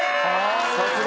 さすが！